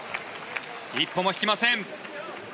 一歩も引きません。